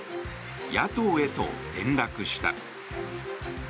野党へと転落した。